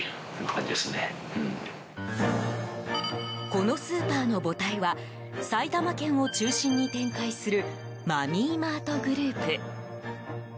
このスーパーの母体は埼玉県を中心に展開するマミーマートグループ。